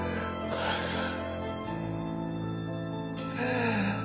母さん。